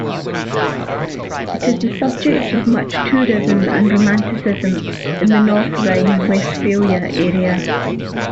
It is the subject of much tourism and romanticism in the North Rhine-Westphalia area.